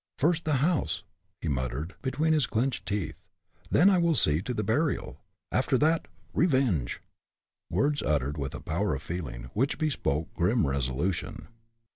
"First the house!" he muttered, between his clinched teeth; "then I will see to the burial. After that revenge!" words uttered with a power of feeling, which bespoke grim resolution.